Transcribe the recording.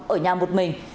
ở nhà một mình